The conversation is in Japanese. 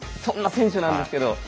そんな選手なんですけど。